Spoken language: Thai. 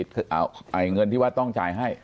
เงินที่ว่าต้องจ่ายให้